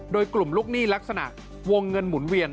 โดยกลุ่มลูกหนี้ลักษณะวงเงินหมุนเวียน